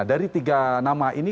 dari tiga nama ini